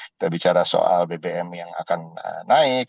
kita bicara soal bbm yang akan naik